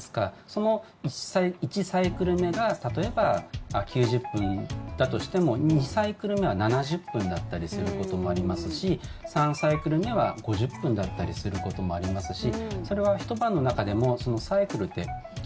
その１サイクル目が例えば９０分だとしても２サイクル目は７０分だったりすることもありますし３サイクル目は５０分だったりすることもありますし。